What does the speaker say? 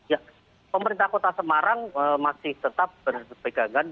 ya pemerintah kota semarang masih tetap berpegangan